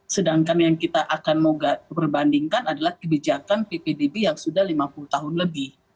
sedangkan yang kita akan mau perbandingkan adalah kebijakan ppdb yang sudah lima puluh tahun lebih